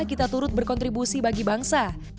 kita turut berkontribusi bagi bangsa